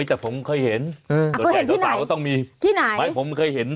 แต่ผมเคยเห็น